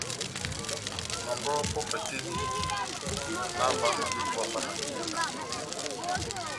Nɔngɔhɔ pɔ́kɛ tɛ́h eni, na ová omaval a itówa mba madíba ó idango.